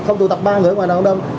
không tụ tập ba người ở ngoài đường đâu